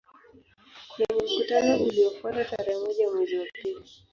Kwenye mkutano uliofuata tarehe moja mwezi wa pili